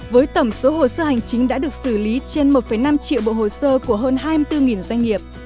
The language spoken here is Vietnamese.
với tổng số hồ sơ hành chính đã được xử lý trên một năm triệu bộ hồ sơ của hơn hai mươi bốn doanh nghiệp